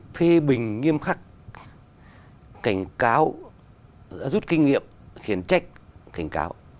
phê bình nghiêm khắc cảnh cáo đã rút kinh nghiệm khiến trách cảnh cáo